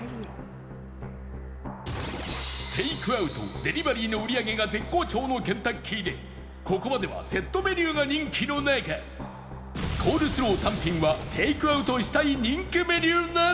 テイクアウトデリバリーの売り上げが絶好調のケンタッキーでここまではセットメニューが人気の中コールスロー単品はテイクアウトしたい人気メニューなのか？